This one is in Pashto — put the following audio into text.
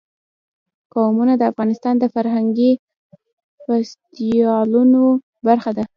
قومونه د افغانستان د فرهنګي فستیوالونو برخه ده.